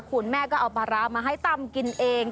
คุณแม่ก็เอาปลาร้ามาให้ตำกินเอง